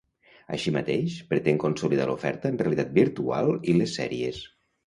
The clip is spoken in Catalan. Així mateix, pretén consolidar l’oferta en realitat virtual i les sèries.